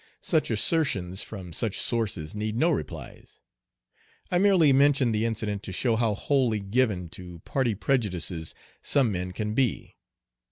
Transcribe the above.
Such assertions from such sources need no replies. I merely mention the incident to show how wholly given to party prejudices some men can be.